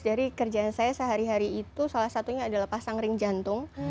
dari kerjaan saya sehari hari itu salah satunya adalah pasang ring jantung